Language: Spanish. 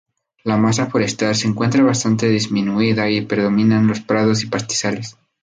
La masa forestal se encuentra bastante disminuida, y predominan los prados y pastizales.